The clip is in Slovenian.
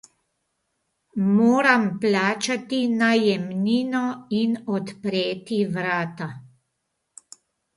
Moram plačati najemnino in odpreti vrata.